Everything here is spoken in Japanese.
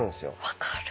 分かる。